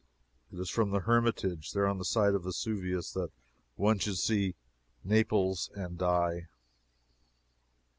It is from the Hermitage, there on the side of Vesuvius, that one should "see Naples and die."